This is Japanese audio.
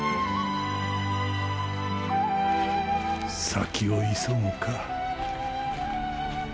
先を急ぐか。